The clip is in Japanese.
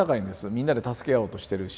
みんなで助け合おうとしてるし。